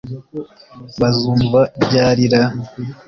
bazumva ryari ra!